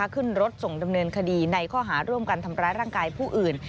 ขึ้นรถส่งดำเนินคดีในข้อหาร่วมกันทำร้ายร่างกายผู้อื่น